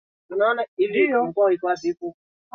mwanzo wa madhehebu mengine yanayoitwa ya Kiinjili Jina